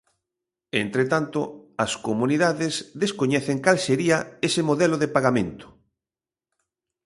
Entre tanto, as comunidades descoñecen cal sería ese modelo de pagamento.